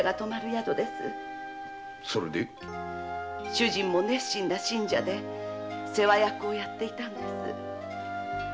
主人も熱心な信者で世話役をやっていたんです。